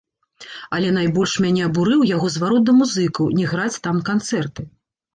Але найбольш мяне абурыў яго зварот да музыкаў, не граць там канцэрты.